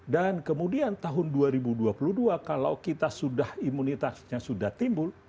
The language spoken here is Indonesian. dan kemudian tahun dua ribu dua puluh dua kalau kita sudah imunitasnya sudah timbul